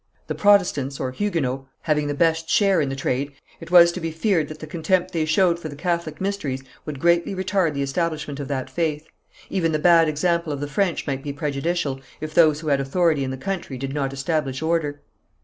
The Protestants, or Huguenots, having the best share in the trade, it was to be feared that the contempt they showed for the Catholic mysteries would greatly retard the establishment of that faith. Even the bad example of the French might be prejudicial, if those who had authority in the country did not establish order.